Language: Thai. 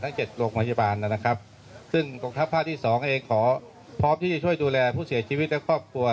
เจ็ดโรงพยาบาลนะครับซึ่งกองทัพภาคที่สองเองขอพร้อมที่จะช่วยดูแลผู้เสียชีวิตและครอบครัว